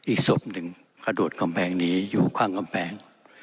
อีกศพหนึ่งกระโดดกำแพงหนีอยู่ข้างกำแพง